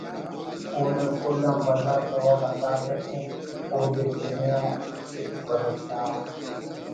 اونا کل آن بھلا سوب ہندادے کہ اودے تینے آ ہچ بھروسہ اف